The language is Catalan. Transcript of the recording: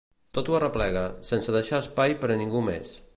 Tot ho arreplega, sense deixar espai per a ningú més.